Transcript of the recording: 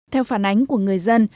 theo phản ánh của người dân